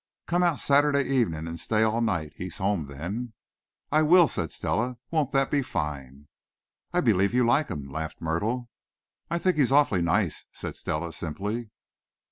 "Come out Saturday evening and stay all night. He's home then." "I will," said Stella. "Won't that be fine!" "I believe you like him!" laughed Myrtle. "I think he's awfully nice," said Stella, simply.